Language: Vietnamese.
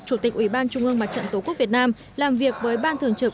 chủ tịch ủy ban trung ương mặt trận tổ quốc việt nam làm việc với ban thường trực